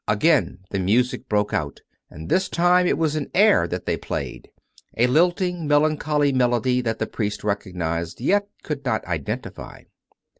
... Again the music broke out, and this time it was an air that they played — a lilting melancholy melody, that the priest recognised, yet could not identify.